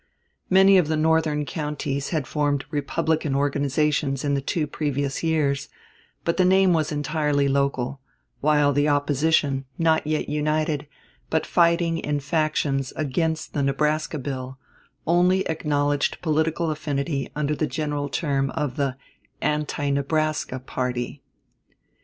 Many of the Northern counties had formed "Republican" organizations in the two previous years; but the name was entirely local, while the opposition, not yet united, but fighting in factions against the Nebraska bill, only acknowledged political affinity under the general term of the "Anti Nebraska" party.